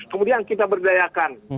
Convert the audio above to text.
kemudian kita berdayakan